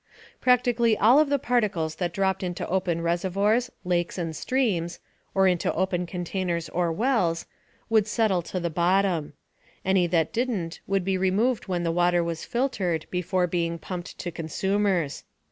Practically all of the particles that dropped into open reservoirs, lakes, and streams (or into open containers or wells) would settle to the bottom. Any that didn't would be removed when the water was filtered before being pumped to consumers.